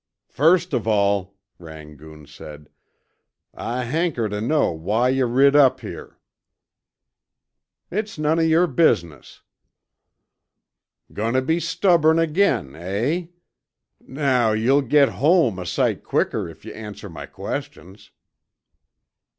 "First of all," Rangoon said, "I hanker tuh know why yuh rid up here." "It's none of your business." "Goin' tuh be stubborn again, eh? Now you'll git home a sight quicker if yuh answer my questions."